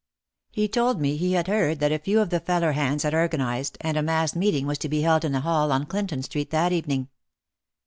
He told me he had heard that a few of the feller hands had or ganized, and a mass meeting was to be held in a hall on Clinton Street that evening.